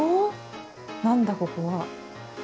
何だここは？